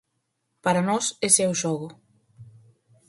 Para nós ese é o xogo.